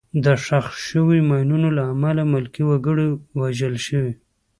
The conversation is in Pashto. د ښخ شوو ماینونو له امله ملکي وګړي وژل شوي.